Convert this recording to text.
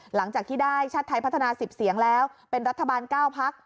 หลังจากที่ได้ชาติไทยพัฒนา๑๐เสียงแล้วเป็นรัฐบาล๙พัก